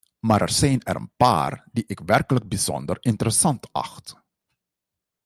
Maar er zijn er een paar die ik werkelijk bijzonder interessant acht.